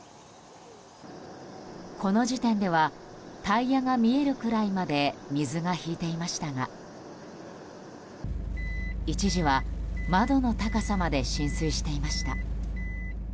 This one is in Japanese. この時点ではタイヤが見えるくらいまで水が引いていましたが一時は窓の高さまで浸水していました。